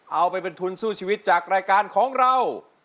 เอาไปเป็นทุนสู้ชีวิตจากรายการของเรา